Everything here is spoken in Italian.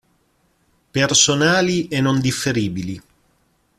Personali e non differibili.